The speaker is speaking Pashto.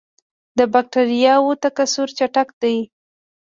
د بکټریاوو تکثر چټک دی.